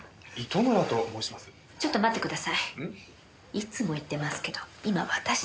いつも言ってますけど今私たちが。